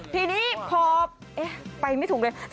ทีนี้พอไปไม่ถูกเลย